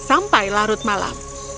sampai larut malam